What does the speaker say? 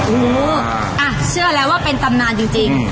โอ้โหเชื่อแล้วว่าเป็นตำนานจริง